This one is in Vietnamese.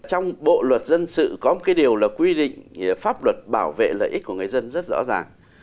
trong bộ luật dân sự có một cái điều là quy định pháp luật bảo vệ lợi ích của người dân rất rõ ràng